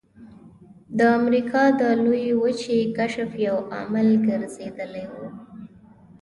د امریکا د لویې وچې کشف یو عامل ګرځېدلی و.